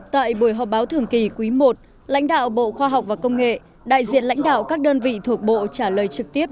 tại buổi họp báo thường kỳ quý i lãnh đạo bộ khoa học và công nghệ đại diện lãnh đạo các đơn vị thuộc bộ trả lời trực tiếp